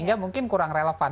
tapi itu kurang relevan